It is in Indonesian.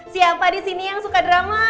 siapa di sini yang suka drama